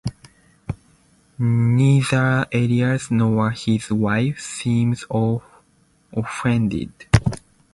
Neither Aries nor his wife seem offended.